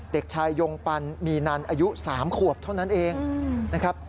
เด็กชายยงปันมีนันอายุ๓ขวบเท่านั้นเองนะครับ